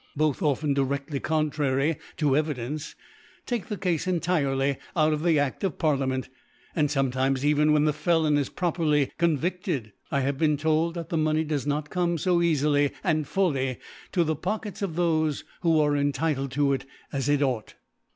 both often direftly contrary to Evidence, take the Cafe entirely out of the A£t of Parli^^nen t \ and fom etimes even i ^59) even when the Felon is properly convided^ I have been told that the Money does not come fo eafily and fully to the Pockets of thofe who are entitled to it as it ought.